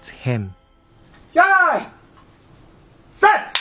よい！